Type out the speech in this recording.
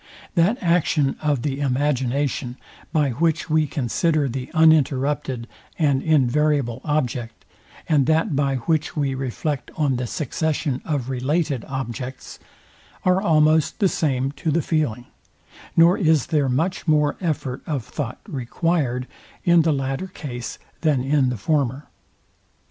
That action of the imagination, by which we consider the uninterrupted and invariable object, and that by which we reflect on the succession of related objects, are almost the same to the feeling, nor is there much more effort of thought required in the latter case than in the former.